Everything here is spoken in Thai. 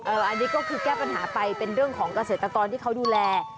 อันนี้ก็คือแก้ปัญหาไปเป็นเรื่องของเกษตรกรที่เขาดูแล